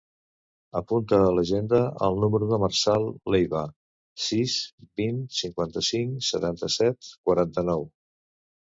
Apunta a l'agenda el número del Marçal Leiva: sis, vint, cinquanta-cinc, setanta-set, quaranta-nou.